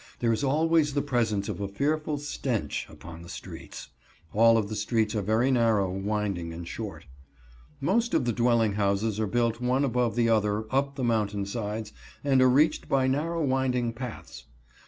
There is always the presence of a fearful stench upon the streets. All of the streets are very narrow, winding and short. Most of the dwelling houses are built one above the other up the mountain sides, and are reached by narrow, winding paths.